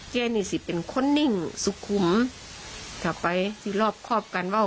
แจนี่สิเป็นคนนิ่งสุคุร์มทาร์ไปที่รอบครอบการเพิ่ม